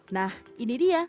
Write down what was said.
nah ini dia